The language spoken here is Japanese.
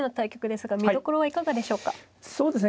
そうですね